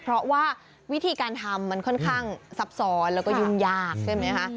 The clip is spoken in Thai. เพราะว่าวิธีการทำมันค่อนข้างซับซ้อนแล้วก็ยุ่งยากใช่ไหมคะ